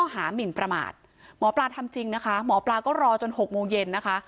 หามินประมาทหมอปลาทำจริงนะคะหมอปลาก็รอจน๖โมงเย็นนะคะ